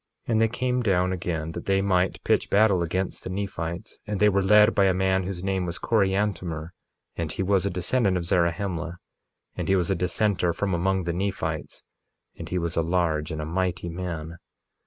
1:15 And they came down again that they might pitch battle against the Nephites. And they were led by a man whose name was Coriantumr; and he was a descendant of Zarahemla; and he was a dissenter from among the Nephites; and he was a large and a mighty man.